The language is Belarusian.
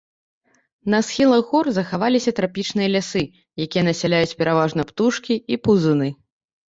На схілах гор захаваліся трапічныя лясы, якія насяляюць пераважна птушкі і паўзуны.